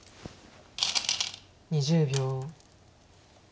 ２０秒。